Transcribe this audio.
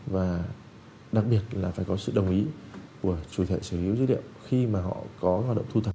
và đặc biệt là phải có sự đồng ý của chủ thể sở hữu dữ liệu khi mà họ có hoạt động thu thập